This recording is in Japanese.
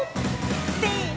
せの！